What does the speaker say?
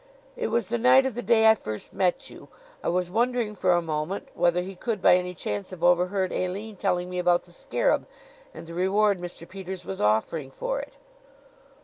"It was the night of the day I first met you. I was wondering for a moment whether he could by any chance have overheard Aline telling me about the scarab and the reward Mr. Peters was offering for it."